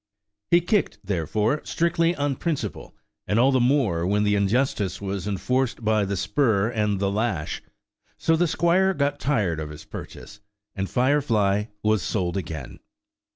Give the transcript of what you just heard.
He kicked, therefore, strictly on principle, and all the more when the injustice was enforced by the spur and the lash. So the squire got tired of his purchase, and Firefly was sold again.